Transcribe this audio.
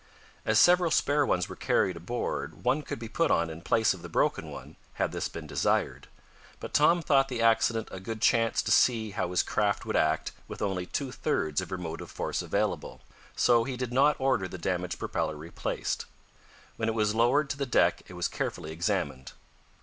As several spare ones were carried aboard one could be put on in place of the broken one, had this been desired. But Tom thought the accident a good chance to see how his craft would act with only two thirds of her motive force available, so he did not order the damaged propeller replaced. When it was lowered to the deck it was carefully examined.